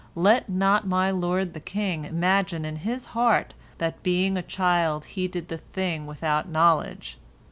Let not my lord the king imagine in his heart that being a child he did the thing without knowledge.